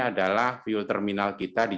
adalah fuel terminal kita di